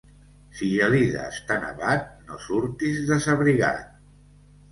Si Gelida està nevat, no surtis desabrigat.